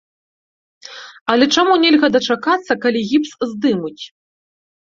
Але чаму нельга дачакацца, калі гіпс здымуць?